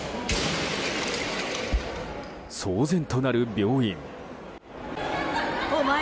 騒然となる病院。